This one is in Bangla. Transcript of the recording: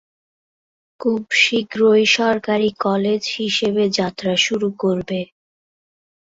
খুব শীঘ্রই সরকারী কলেজ হিসেবে যাত্রা শুরু করবে।